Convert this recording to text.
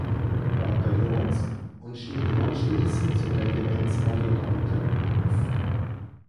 Bataillons und stieg anschließend zum Regimentsadjutanten auf.